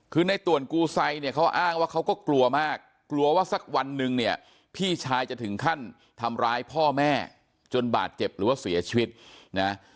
คือในต่วนกูไซเนี่ยเขาอ้างว่าเขาก็กลัวมากกลัวว่าสักวันหนึ่งเนี่ยพี่ชายจะถึงขั้นทำร้ายพ่อแม่จนบาดเจ็บหรือว่าเสียชีวิตนะ